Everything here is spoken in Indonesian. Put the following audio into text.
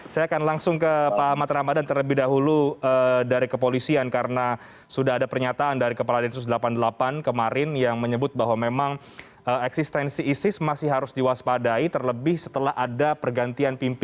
selamat malam mas renhardt